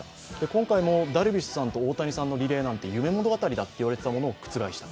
今回もダルビッシュさんと大谷さんのリレーなんて夢物語だと言われたことを覆した。